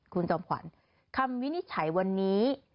คุณจอมขวัญคำวินิจฉัยวันนี้